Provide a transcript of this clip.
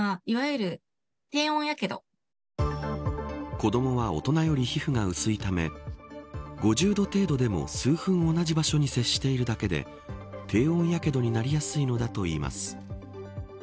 子どもは大人より皮膚が薄いため５０度程度でも数分同じ場所に接しているだけで低温やけどになりやすいのだといいます。